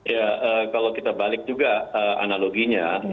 ya kalau kita balik juga analoginya